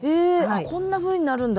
あっこんなふうになるんだ。